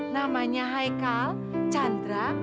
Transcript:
namanya haikal chandra